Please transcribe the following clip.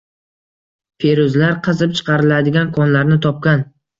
Feruzalar qazib chiqariladigan konlarni topgan.